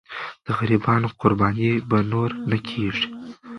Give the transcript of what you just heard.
د غریبانو قرباني به نور نه کېږي.